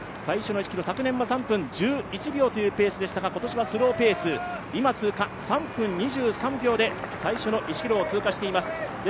昨年は３分１１秒というペースでしたが今年はスローペース、今通過３分２３秒で最初の１ｋｍを通過しています